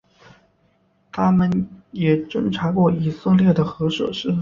它们也侦察过以色列的核设施。